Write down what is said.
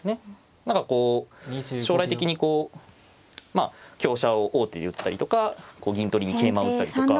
何かこう将来的にこう香車を王手で打ったりとか銀取りに桂馬を打ったりとか。